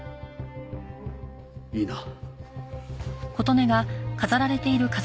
いいな？